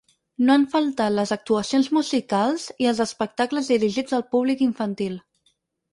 No han faltat les actuacions musicals i els espectacles dirigits al públic infantil.